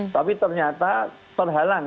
tapi ternyata terhalang